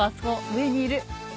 上にいる。